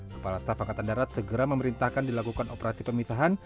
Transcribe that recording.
kepala staf angkatan darat segera memerintahkan dilakukan operasi pemisahan